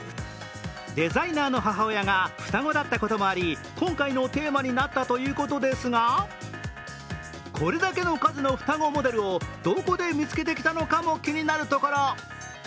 デザイナーの母親が双子だったこともあり今回のテーマになったということですがこれだけの数の双子モデルをどこで見つけてきたのかも気になるところ。